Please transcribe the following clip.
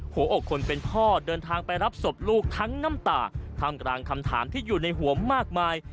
หัวอกคนเป็นพ่อเดินทางไปรับศพลูกทั้งน้ำตาท่ามกลางคำถามที่อยู่ในหัวมากมาย